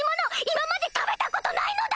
今まで食べたことないのだぁ！